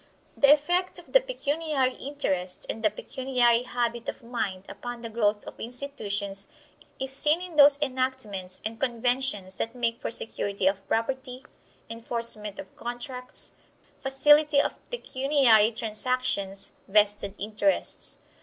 The effect of the pecuniary interest and the pecuniary habit of mind upon the growth of institutions is seen in those enactments and conventions that make for security of property, enforcement of contracts, facility of pecuniary transactions, vested interests.